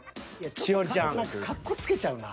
栞里ちゃん。何かかっこつけちゃうな。